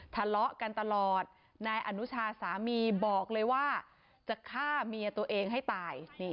ทะเลาะกันตลอดนายอนุชาสามีบอกเลยว่าจะฆ่าเมียตัวเองให้ตาย